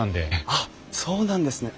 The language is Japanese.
あっそうなんですね。